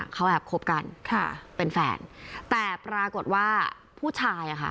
เขาแอบคบกันค่ะเป็นแฟนแต่ปรากฏว่าผู้ชายอ่ะค่ะ